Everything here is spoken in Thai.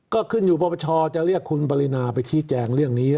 ก็ขึ้นอยู่ปรปชจะเรียกคุณปรินาไปชี้แจงเรื่องนี้